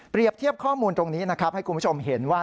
เปรียบเทียบข้อมูลตรงนี้ให้คุณผู้ชมเห็นว่า